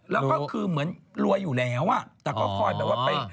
แล้วก็คือเหมือนรวยอยู่แล้วอ่ะแต่ก็คอยแบบว่าไป